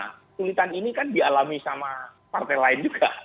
kesulitan ini kan dialami sama partai lain juga